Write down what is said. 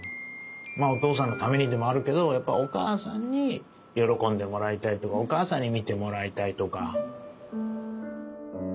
まあお父さんのためにでもあるけどやっぱお母さんに喜んでもらいたいとかお母さんに見てもらいたいとか。